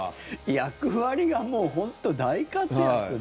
役割がもう本当、大活躍で。